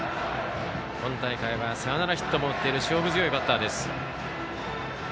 今大会はサヨナラヒットも打っている勝負強いバッターです。